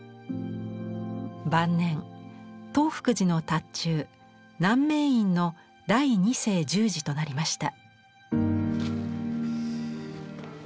晩年東福寺の塔頭南明院の第２世住持となりました。